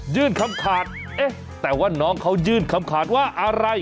ยื่นคำขาดเอ๊ะแต่ว่าน้องเขายื่นคำขาดว่าอะไร